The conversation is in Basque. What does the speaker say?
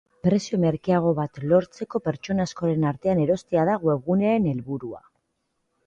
Prezio merkeago bat lortzeko pertsona askoren artean erostea da webgunearen helburua.